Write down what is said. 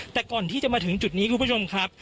แต่ก่อนที่จะมาถึงจุดนี้คุณผู้ชมครับ